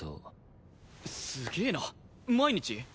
すげえな毎日？